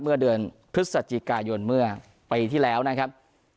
เมื่อเดือนพฤศจิกายนเมื่อปีที่แล้วนะครับ